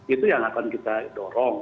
itu yang akan kita dorong